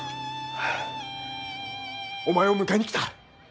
お前を迎えに来た。